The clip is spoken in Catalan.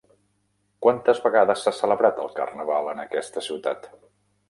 Quantes vegades s'ha celebrat el carnaval en aquesta ciutat?